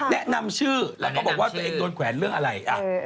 แนะนำชื่อแล้วก็บอกว่าตัวเองโดนแขวนเรื่องอะไร